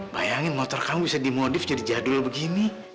bayangin motor kamu bisa dimodif jadi jadul begini